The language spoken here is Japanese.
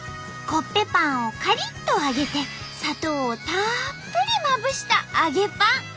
コッペパンをカリッと揚げて砂糖をたっぷりまぶしたあげパン。